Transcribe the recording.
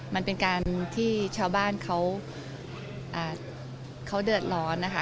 มันเป็นการที่ชาวบ้านเขาอ่าเขาเดิดหลอนนะคะ